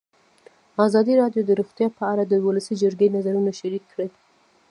ازادي راډیو د روغتیا په اړه د ولسي جرګې نظرونه شریک کړي.